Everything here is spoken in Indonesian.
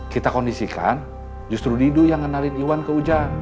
kita kondisikan justru didu yang ngenalin iwan ke ujang